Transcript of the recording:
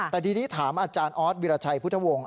แต่ทีนี้ถามออวิราชัยพุทธวงศ์